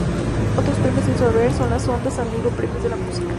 Otros premios en su haber son el Ondas, Amigo, Premios de la Música.